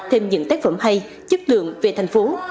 thêm những tác phẩm hay chất lượng về thành phố